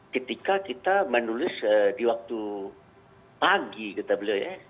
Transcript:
ketika kita menulis di waktu pagi kata beliau ya